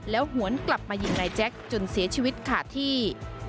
หวนกลับมายิงนายแจ็คจนเสียชีวิตขาดที่